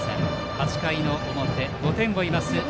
８回の表、５点を追います